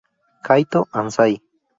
Kaito Anzai